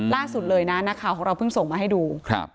ล่าสุดเลยนะนักข่าวของเราเพิ่งส่งมาให้ดู